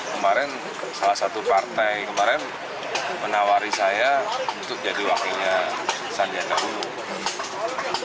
kemarin salah satu partai kemarin menawari saya untuk jadi wakilnya sandiaga uno